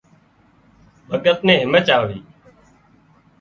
ڀڳت نين هيمچ آوي